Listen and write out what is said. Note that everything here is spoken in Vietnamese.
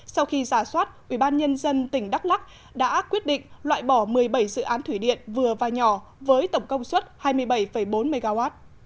sau khi giả soát ubnd tỉnh đắk lắc đã quyết định loại bỏ một mươi bảy dự án thủy điện vừa và nhỏ với tổng công suất hai mươi bảy bốn mw